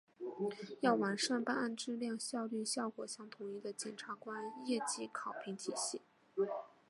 要完善办案质量、效率、效果相统一的检察官业绩考评体系